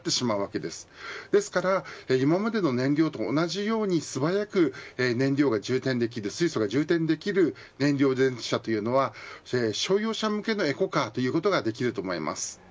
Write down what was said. ですから今までの燃料と同じように素早く燃料が充填できる水素が充填できる燃料電池車というのは商用車向けのエコカーというのができると思います。